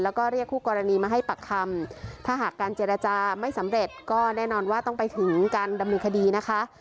แล้วก็เรียกคู่กรณีมาให้ปากคำถ้าหากการเจรจาไม่สำเร็จก็แน่นอนว่าต้องไปถึงการดำเนินคดีนะคะ